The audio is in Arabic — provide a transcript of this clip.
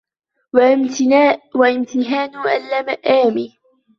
وَامْتِهَانُ اللِّئَامِ